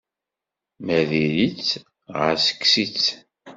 Ma diri-tt, ɣas kkes-itt.